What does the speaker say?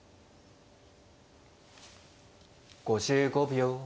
５５秒。